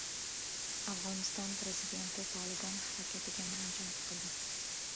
Afg‘oniston prezidenti «Tolibon» harakatiga murojaat qildi